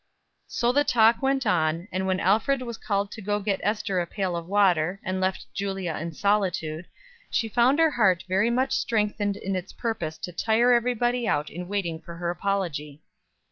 So the talk went on; and when Alfred was called to get Ester a pail of water, and left Julia in solitude, she found her heart very much strengthened in its purpose to tire everybody out in waiting for her apology.